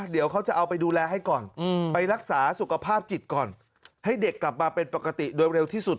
เดี๋ยวเขาจะเอาไปดูแลให้ก่อนไปรักษาสุขภาพจิตก่อนให้เด็กกลับมาเป็นปกติโดยเร็วที่สุด